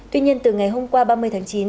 tuy nhiên từ ngày hôm qua ba mươi tháng